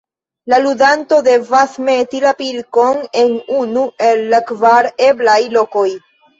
La ludanto devas meti la pilkon en unu el la kvar eblaj lokoj.